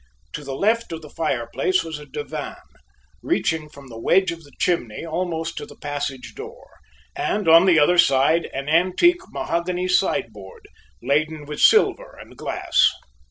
To the left of the fireplace was a divan, reaching from the wedge of the chimney almost to the passage door, and on the other side, an antique mahogany sideboard, laden with silver and glass.